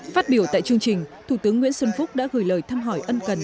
phát biểu tại chương trình thủ tướng nguyễn xuân phúc đã gửi lời thăm hỏi ân cần